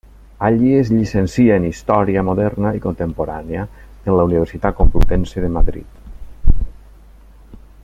Allí es llicencia en història moderna i contemporània en la Universitat Complutense de Madrid.